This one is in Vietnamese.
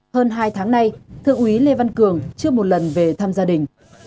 hơn hai tháng nay thượng úy lê văn cường chưa một lần về thăm gia đình